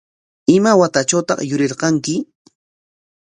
¿Ima watatrawtaq yurirqanki?